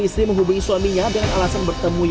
istri menghubungi suaminya dengan alasan bertemu yang lainnya